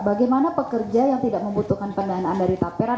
bagaimana pekerja yang tidak membutuhkan pendanaan dari taperan